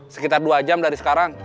sekitar dua jam dari sekarang